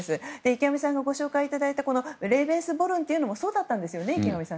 池上さんからご紹介いただいたレーベンスボルンというのもそうだったんですよね。